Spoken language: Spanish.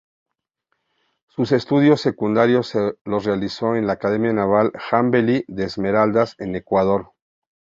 Sus estudios secundarios los realizó en la Academia Naval Jambelí de Esmeraldas, en Ecuador.